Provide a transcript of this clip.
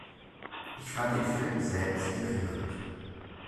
Ich fand den Film sehr inspirierend.